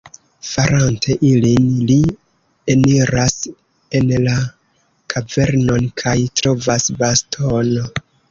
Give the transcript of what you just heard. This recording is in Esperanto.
Farante ilin, li eniras en la kavernon kaj trovas bastono.